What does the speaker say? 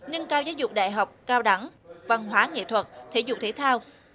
nâng cao giáo dục đại học cao đẳng văn hóa nghệ thuật thể dục thể thao